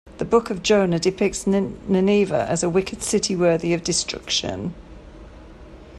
The Book of Jonah depicts Nineveh as a wicked city worthy of destruction.